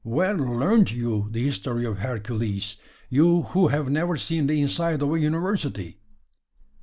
Where learnt you the history of Hercules you who have never seen the inside of a university?"